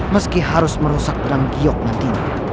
meski harus merusak pedang giyok nantinya